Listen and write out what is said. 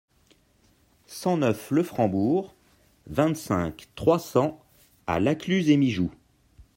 cent neuf le Frambourg, vingt-cinq, trois cents à La Cluse-et-Mijoux